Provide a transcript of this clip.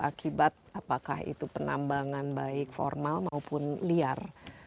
akibat apakah itu penambangan baik formal maupun liar